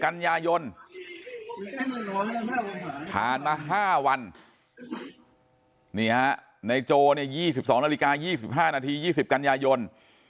กันยายนผ่านมา๕วันนี่ฮะในโจเนี่ย๒๒นาฬิกา๒๕นาที๒๐กันยายน